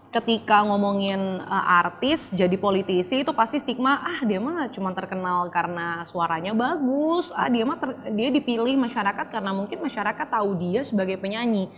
ketika ngomongin artis jadi politisi itu pasti stigma ah dia mah cuma terkenal karena suaranya bagus dia dipilih masyarakat karena mungkin masyarakat tahu dia sebagai penyanyi